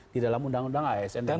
di dalam undang undang asn yang baru